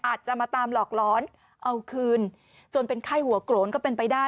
อาจจะมาตามหลอกร้อนเอาคืนจนเป็นไข้หัวโกรนก็เป็นไปได้